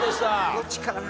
どっちかな？